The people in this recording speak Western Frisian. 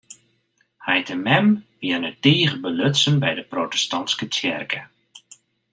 Heit en mem wiene tige belutsen by de protestantske tsjerke.